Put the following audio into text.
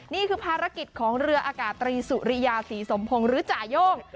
นี่คือภารกิจของเรืออากาศตรีสุริยาศรีสมพงศ์หรือจ่าย่ง